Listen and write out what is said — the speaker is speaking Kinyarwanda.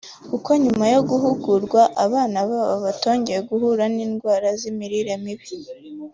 kuko nyuma yo guhugurwa abana babo batongeye guhura n’indwara ziterwa n’imirire mibi